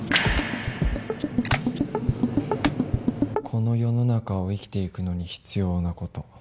この世の中を生きていくのに必要なこと